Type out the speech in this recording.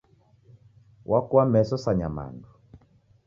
Wakua meso sa nyamandu